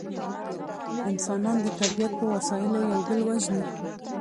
انسانان د طبیعت په وسایلو یو بل وژني